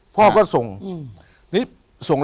พี่น้องก็ส่ง